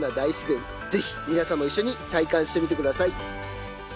是非皆さんも一緒に体感してみてください。